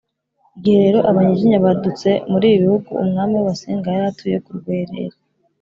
igihe rero abanyiginya badutse muri ibi bihugu, umwami w’abasinga yari atuye ku rwerere